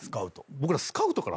僕ら。